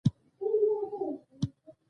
کوم ځاى يې چې د ښځې ستاينه هم کړې،،